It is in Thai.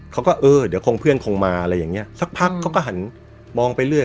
เขาก็เออเดี๋ยวคงเพื่อนคงมาอะไรอย่างเงี้สักพักเขาก็หันมองไปเรื่อย